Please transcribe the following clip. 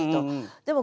でも